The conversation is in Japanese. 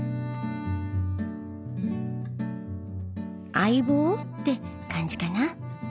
相棒って感じかな。